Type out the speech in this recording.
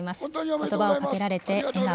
ことばをかけられて、笑顔。